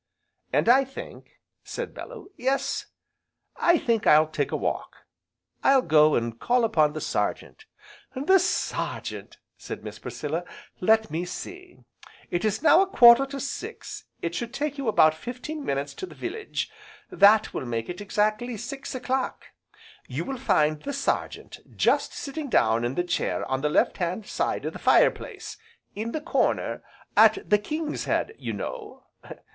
"And I think," said Bellew, "Yes, I think I'll take a walk. I'll go and call upon the Sergeant." "The Sergeant!" said Miss Priscilla, "let me see, it is now a quarter to six, it should take you about fifteen minutes to the village, that will make it exactly six o'clock. You will find the Sergeant just sitting down in the chair on the left hand side of the fire place, in the corner, at the 'King's Head,' you know.